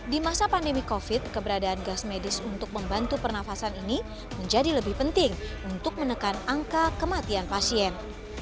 di masa pandemi covid keberadaan gas medis untuk membantu pernafasan ini menjadi lebih penting untuk menekan angka kematian pasien